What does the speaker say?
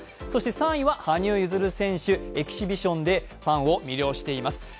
そして３位は羽生結弦選手、エキシビションでファンを魅了しています。